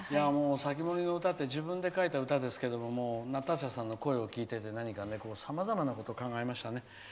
「防人の詩」って自分で書いた歌ですけどナターシャさんの声を聴いててさまざまなことを考えましたね。